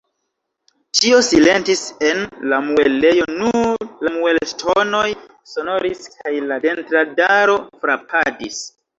Ĉio silentis en la muelejo, nur la muelŝtonoj sonoris kaj la dentradaro frapadis.